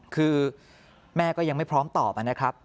คือแม่ก็ยังไม่พร้อมตอบนะครับ